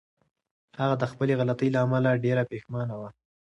هغه د خپلې غلطۍ له امله ډېره پښېمانه وه.